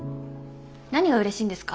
何がうれしいんですか？